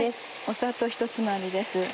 砂糖ひとつまみです。